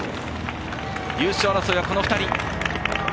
優勝争いはこの２人。